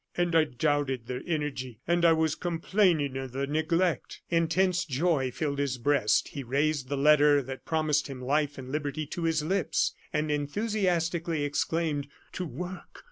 "And I doubted their energy and I was complaining of their neglect!" Intense joy filled his breast; he raised the letter that promised him life and liberty to his lips, and enthusiastically exclaimed: "To work!